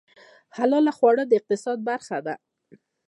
حلال خواړه د اقتصاد برخه ده